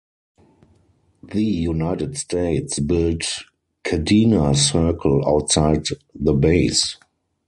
The United States built Kadena Circle outside the base.